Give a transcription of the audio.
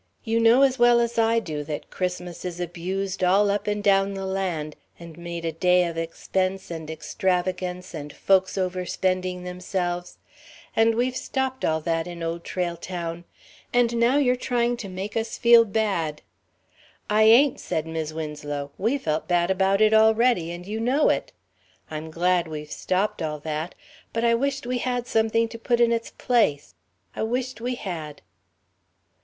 You know as well as I do that Christmas is abused all up and down the land, and made a day of expense and extravagance and folks overspending themselves. And we've stopped all that in Old Trail Town. And now you're trying to make us feel bad." "I ain't," said Mis' Winslow, "we felt bad about it already, and you know it. I'm glad we've stopped all that. But I wish't we had something to put in its place. I wish't we had."